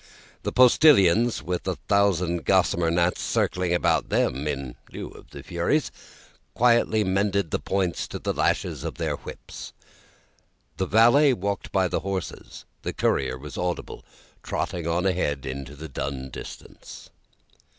The postilions, with a thousand gossamer gnats circling about them in lieu of the Furies, quietly mended the points to the lashes of their whips; the valet walked by the horses; the courier was audible, trotting on ahead into the dull distance.